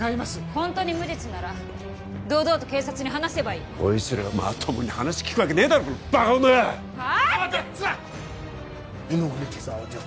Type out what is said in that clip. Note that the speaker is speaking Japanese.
ホントに無実なら堂々と警察に話せばいいこいつらがまともに話聞くわけねえだろこのバカ女が！バ！？